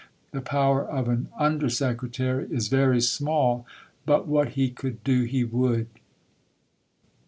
The power of an Under Secretary is very small, but what he could do, he would.